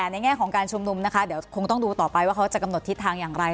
ในแง่ของการชมนุมนะคะคงดูต่อไปว่าจะกำหนดทิศทางอย่างไร